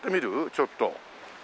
ちょっと。